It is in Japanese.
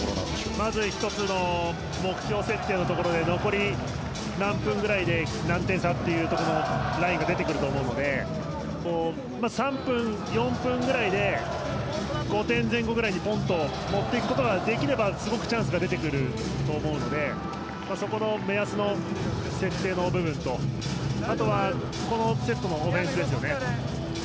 まず１つの目標設定のところで残り何分ぐらいで何点差というところのラインが出てくると思うので３分、４分ぐらいで５点前後ぐらいにポンと持っていくことができればすごくチャンスが出てくると思うのでそこの目安の設定の部分とあとはこのセットのオフェンスですよね。